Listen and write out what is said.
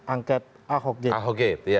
angket ahok gate